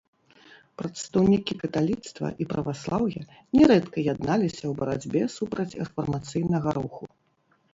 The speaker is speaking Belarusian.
Прадстаўнікі каталіцтва і праваслаўя нярэдка ядналіся ў барацьбе супраць рэфармацыйнага руху.